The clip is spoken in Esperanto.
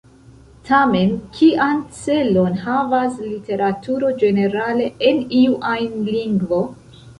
Tamen, kian celon havas literaturo ĝenerale, en iu ajn lingvo?